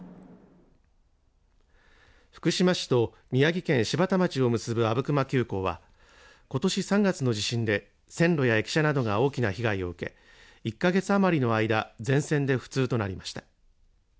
福島市と宮城県柴田町を結ぶ阿武隈急行は、ことし３月の地震で、線路や駅舎などが大きな被害を受け、１か月余りの間、全線で不通となりました。